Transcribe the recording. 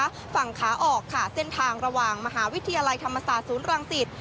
ฝั่งขาออกค่ะเส้นทางระหว่างมหาวิทยาลัยธรรมศาสตร์ศูนย์รังสิต